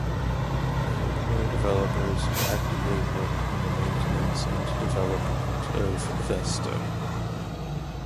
They employ developers who actively work on the maintenance and development of Vesta.